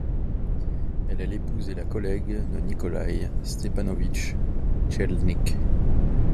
Elle est l'épouse et la collègue de Nikolaï Stepanovitch Tchernykh.